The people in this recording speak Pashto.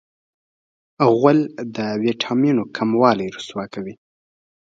غول د وېټامینونو کموالی رسوا کوي.